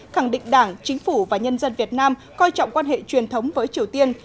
khẳng định đảng chính phủ và nhân dân việt nam coi trọng quan hệ truyền thống với triều tiên